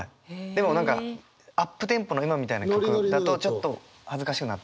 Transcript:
でも何かアップテンポの今みたいな曲だとちょっと恥ずかしくなっちゃうんですけど。